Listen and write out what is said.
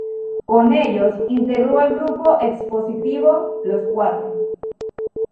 Con ellos integró el grupo expositivo Los Cuatro.